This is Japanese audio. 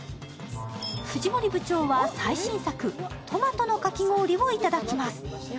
藤森部長は最新作、トマトのかき氷をいただきます。